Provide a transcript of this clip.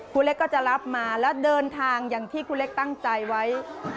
ครูเล็กก็จะรับมาแล้วเดินทางอย่างที่ครูเล็กตั้งใจไว้